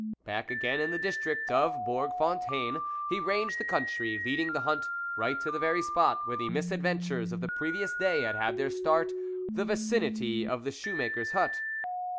Back again in the district of Bourg Fontaine, he ranged the country, leading the hunt right to the very spot where the mis adventures of the previous day had had their start, the vicinity of the shoe maker's hut.